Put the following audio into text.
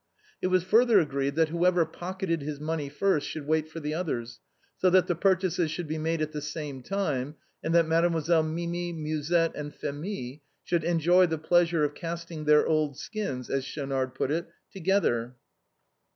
It was further agreed that whw>ever pocketed his money first should wait for the others, so that the pur chases should be made at the same time, and that Mes demoiselles Mimi, Musette, and Phémie should enjoy the pleasure of casting their old skins, as Schaunard put it, together.